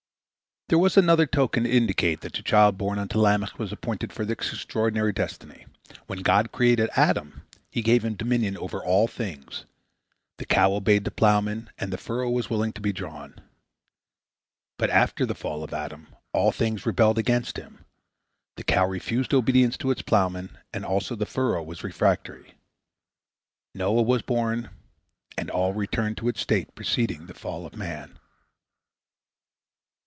There was another token to indicate that the child born unto Lamech was appointed for an extraordinary destiny. When God created Adam, He gave him dominion over all things: the cow obeyed the ploughman, and the furrow was willing to be drawn. But after the fall of Adam all things rebelled against him: the cow refused obedience to the ploughman, and also the furrow was refractory. Noah was born, and all returned to its state preceding the fall of man.